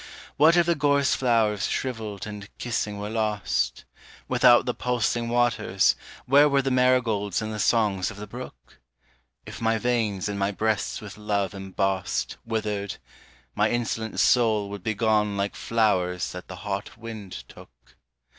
What if the gorse flowers shrivelled and kissing were lost? Without the pulsing waters, where were the marigolds and the songs of the brook? If my veins and my breasts with love embossed Withered, my insolent soul would be gone like flowers that the hot wind took.